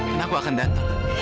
dan aku akan datang